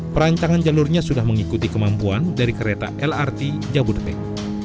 perancangan jalurnya sudah mengikuti kemampuan dari kereta lrt jabodetabek